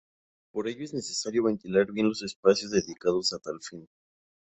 Por ello es necesario ventilar bien los espacios dedicados a tal fin.